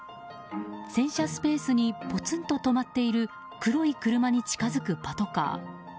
洗車スペースにぽつんと止まっている黒い車に近づくパトカー。